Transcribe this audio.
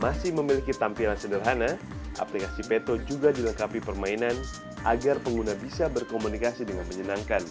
masih memiliki tampilan sederhana aplikasi peto juga dilengkapi permainan agar pengguna bisa berkomunikasi dengan menyenangkan